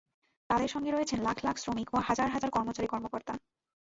তাঁদের সঙ্গে রয়েছেন লাখ লাখ শ্রমিক ও হাজার হাজার কর্মচারী কর্মকর্তা।